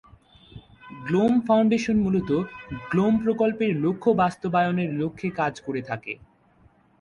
GNOME Foundation মূলত GNOME প্রকল্পের লক্ষ্য বাস্তবায়নের লক্ষে কাজ করে থাকে।